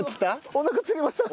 おなかつりました。